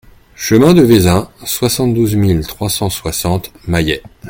Chemin de Vezin, soixante-douze mille trois cent soixante Mayet